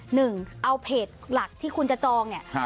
หนึ่งเอาเพจหลักที่คุณจะจองเนี่ย